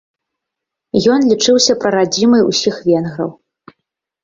Ён лічыўся прарадзімай усіх венграў.